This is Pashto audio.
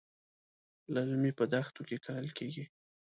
للمي په دښتو کې کرل کېږي.